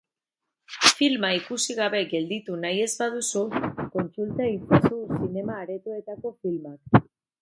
Filma ikusi gabe gelditu nahi ez baduzu, kontsulta itzazu zinema-aretoetako filmak.